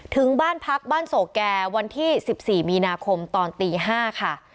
ถึงบ้านพักบ้านโศกแก่วันที่๑๔มีนาคมตอนตี๕ค่ะ